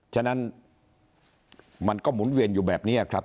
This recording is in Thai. ฉะนั้นมันก็หมุนเวียนอยู่แบบนี้ครับ